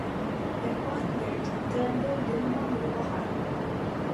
Imbagħad nerġgħu ntellgħu l-ilma mill-baħar.